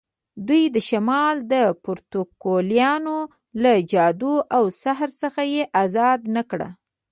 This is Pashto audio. دوی د شمال د پروتوکولیانو له جادو او سحر څخه یې آزاد نه کړ.